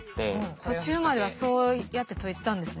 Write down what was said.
途中まではそうやって解いてたんですね。